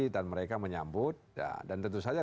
dan mereka menyambut dan tentu saja